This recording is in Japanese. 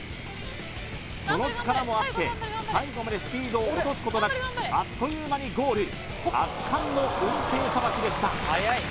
その力もあって最後までスピードを落とすことなくあっという間にゴール圧巻のうんていさばきでしたはやい！